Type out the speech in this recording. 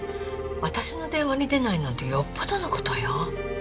私の電話に出ないなんてよっぽどのことよ